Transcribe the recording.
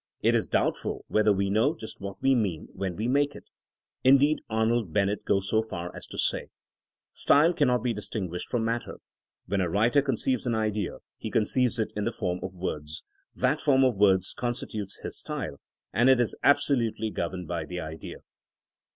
It is doubtful whether we know just what we mean when we make it. Indeed Arnold Bennett goes so far as to say :'' Style cannot be distinguished from matter. When a writer conceives an idea he conceives it in the form of words. That form of words constitutes his style, and it is absolutely gov erned by the idea.